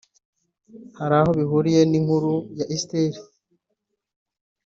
Hari aho bihuriye n'inkuru ya Esiteri